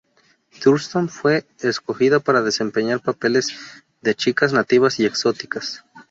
Thurston fue escogida para desempeñar papeles de chicas nativas y exóticas.